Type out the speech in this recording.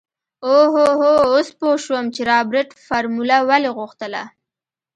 اوهوهو اوس پو شوم چې رابرټ فارموله ولې غوښتله.